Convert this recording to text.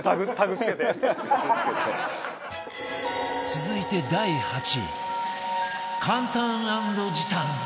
続いて第８位簡単＆時短！